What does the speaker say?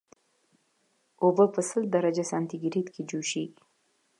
اوبه په سل درجه سانتي ګریډ کې جوشیږي